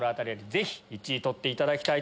ぜひ１位取っていただきたい。